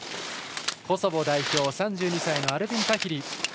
コソボ代表、３２歳のアルビン・タヒリ